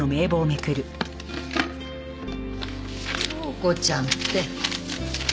京子ちゃんって。